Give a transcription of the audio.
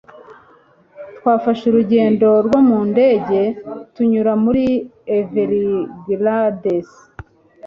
Twafashe urugendo rwo mu ndege tunyura muri Everglades.